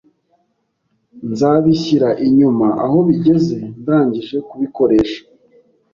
Nzabishyira inyuma aho bigeze ndangije kubikoresha.